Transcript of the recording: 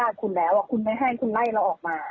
ถามว่าเราทำผิดไหมเราเคยไปขออนุญาตคุณแล้ว